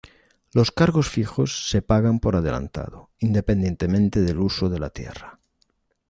Los cargos fijos se pagan por adelantado, independientemente del uso de la tierra.